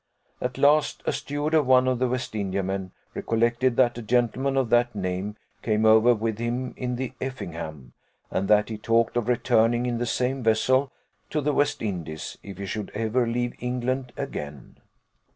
At last, a steward of one of the West Indiamen recollected that a gentleman of that name came over with him in the Effingham, and that he talked of returning in the same vessel to the West Indies, if he should ever leave England again.